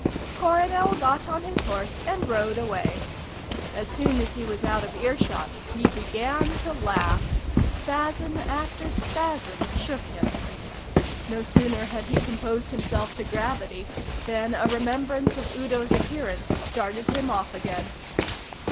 Coronel got on his horse and rode away. As soon as he was out of earshot he began to laugh. Spasm after spasm shook him. No sooner had he composed himself to gravity than a remembrance of Udo's appearance started him off again.